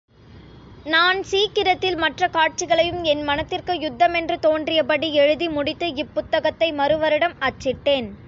நான் சீக்கிரத்தில் மற்றக் காட்சிகளையும் என் மனத்திற்கு யுக்தமென்று தோன்றியபடி எழுதி முடித்து இப் புத்தகத்தை மறுவருடம் அச்சிட்டேன்.